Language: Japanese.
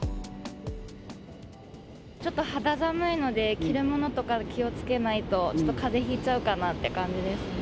ちょっと肌寒いので、着るものとか気をつけないと、ちょっとかぜひいちゃうかなって感じですね。